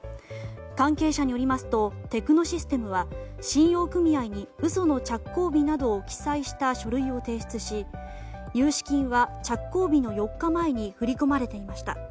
関係者によりますとテクノシステムは信用組合に嘘の着工日などを記載した書類を提出し融資金は着工日の４日前に振り込まれていました。